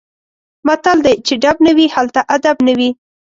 متل دی: چې ډب نه وي هلته ادب نه وي.